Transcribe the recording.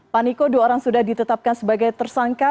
paniko dua orang sudah ditetapkan sebagai tersangka